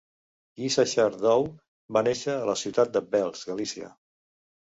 Yissachar Dov va néixer a la ciutat de Belz, Galícia.